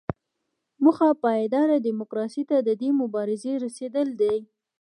موخه پایداره ډیموکراسۍ ته د دې مبارزې رسیدل دي.